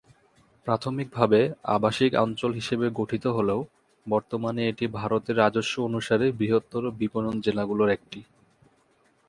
প্রাথমিকভাবে আবাসিক অঞ্চল হিসেবে গঠিত হলেও বর্তমানে এটি ভারতের রাজস্ব অনুসারে বৃহত্তর বিপণন জেলাগুলির একটি।